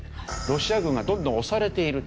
ロシア軍がどんどん押されている。